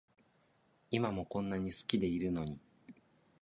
今もこんなに好きでいるのに